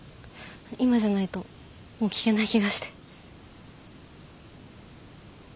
今じゃないともう聞けない気がして。